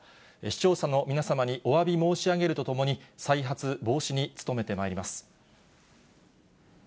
視聴者の皆様におわび申し上げるとともに、再発防止に努めてまいります。